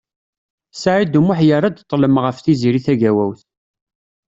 Saɛid U Muḥ yerra-d ṭlem ɣef Tiziri Tagawawt.